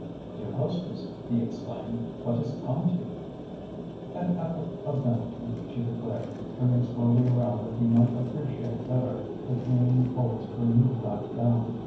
"Dear hostess," he exclaimed, "what has come to you?" "An epoch of vanity," she declared, turning slowly around that he might appreciate better the clinging folds of her new black gown.